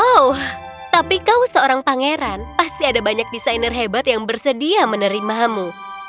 oh tapi kau seorang pangeran pasti ada banyak desainer hebat yang bersedia menerimamu